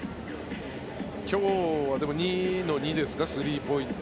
今日は２の２ですかスリーポイント。